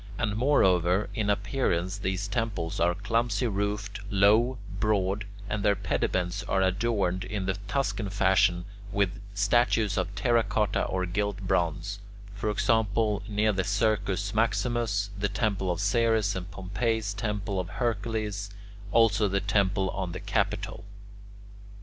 And moreover, in appearance these temples are clumsy roofed, low, broad, and their pediments are adorned in the Tuscan fashion with statues of terra cotta or gilt bronze: for example, near the Circus Maximus, the temple of Ceres and Pompey's temple of Hercules; also the temple on the Capitol.